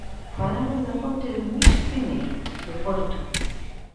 Falamos da ponte de Luís Primeiro, do Porto.